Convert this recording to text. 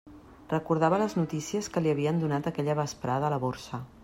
Recordava les notícies que li havien donat aquella vesprada a la Borsa.